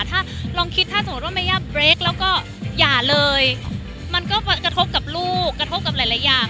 ถ้าไม่ยากเติมเปิดแล้วก็หย่าเลยมันก็กระทบกับลูกกระทบกับหลายอย่าง